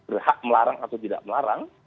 berhak melarang atau tidak melarang